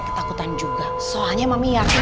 ketakutan juga soalnya mami yang